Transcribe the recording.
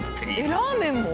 ラーメンも？